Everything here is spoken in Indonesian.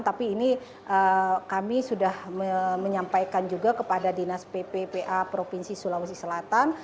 tapi ini kami sudah menyampaikan juga kepada dinas pppa provinsi sulawesi selatan